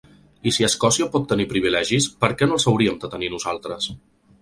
I si Escòcia pot tenir privilegis, per què no els hauríem de tenir nosaltres?